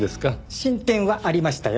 進展はありましたよ。